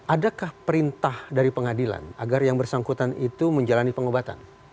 adakah perintah dari pengadilan agar yang bersangkutan itu menjalani pengobatan